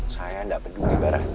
saya tidak peduli barang